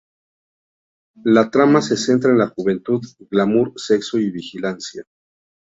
La trama se centra en la juventud, glamour, sexo y vigilancia.